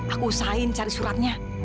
aku usahain cari suratnya